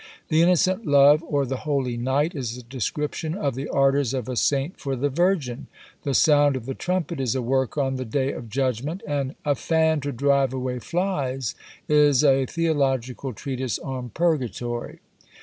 "The Innocent Love, or the Holy Knight," is a description of the ardours of a saint for the Virgin. "The Sound of the Trumpet," is a work on the day of judgment; and "A Fan to drive away Flies," is a theological treatise on purgatory.